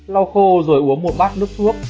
lau khô rồi uống một bát nước thuốc